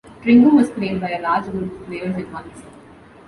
Tringo was played by a large group of players at once.